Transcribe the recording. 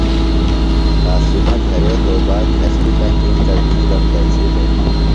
قاسمہ گھرے توباک گھشِلیۡ تہ اِنڇہ بِھیلم دڇھلوۡ۔